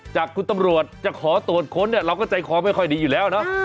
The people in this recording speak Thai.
จากคุณตำรวจจะขอตรวจค้นเนี่ยเราก็ใจคอไม่ค่อยดีอยู่แล้วเนาะ